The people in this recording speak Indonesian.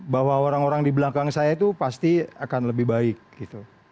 bahwa orang orang di belakang saya itu pasti akan lebih baik gitu